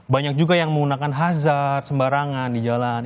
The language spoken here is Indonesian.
banyak juga yang menggunakan hazard sembarangan di jalan